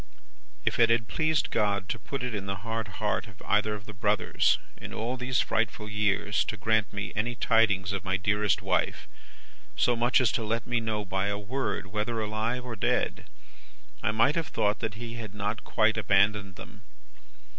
"If it had pleased God to put it in the hard heart of either of the brothers, in all these frightful years, to grant me any tidings of my dearest wife so much as to let me know by a word whether alive or dead I might have thought that He had not quite abandoned them.